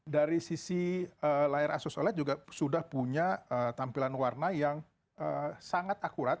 dari sisi layar asus oled juga sudah punya tampilan warna yang sangat akurat